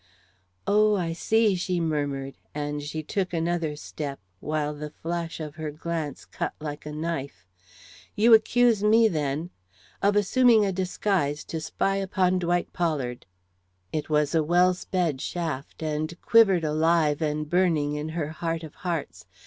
"Oh, I see," she murmured; and she took another step, while the flash of her glance cut like a knife. "You accuse me then " "Of assuming a disguise to spy upon Dwight Pollard." It was a well sped shaft, and quivered alive and burning in her heart of hearts.